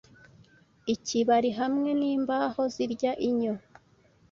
ikibari hamwe nimbaho zirya inyo